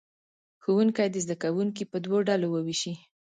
ښوونکي دې زه کوونکي په دوو ډلو ووېشي.